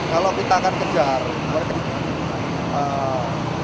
kalau kita akan kejar mereka akan kejar